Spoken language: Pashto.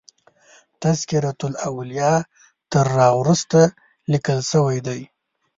تذکرة الاولیاء تر را وروسته لیکل شوی دی.